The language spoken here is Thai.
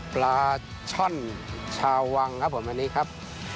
ปลาช่อนชาววังครับผมอันนี้ครับ